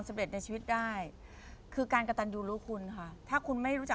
สมบัติพญานนาคาราช